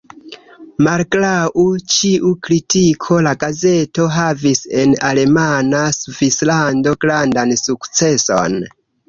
Malgraŭ ĉiu kritiko la gazeto havis en alemana Svislando grandan sukceson.